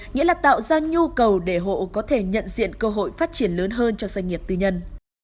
nghĩa là tạo ra nhu cầu để hộ có thể nhận diện cơ hội phát triển lớn hơn cho doanh nghiệp tư nhân